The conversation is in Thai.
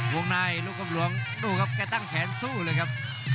วงในลูกกำลวงตั้งแขนสู้เลยครับ